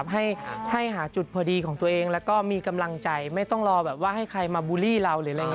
ให้หาจุดพอดีของตัวเองแล้วก็มีกำลังใจไม่ต้องรอแบบว่าให้ใครมาบูลลี่เราหรืออะไรอย่างนี้